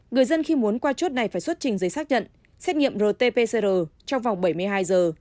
người dân khi muốn qua chốt này phải xuất trình giấy xác nhận xét nghiệm rt pcr trong vòng bảy mươi hai giờ